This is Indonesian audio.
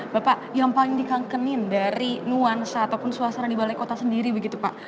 bapak yang paling dikangenin dari nuansa ataupun suasana di balai kota sendiri begitu pak